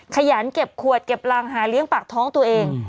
ขยันเก็บขวดเก็บรังหาเลี้ยงปากท้องตัวเอง